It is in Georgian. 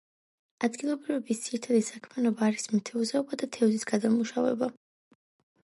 ადგილობრივების ძირითადი საქმიანობა არის მეთევზეობა და თევზის გადამუშავება.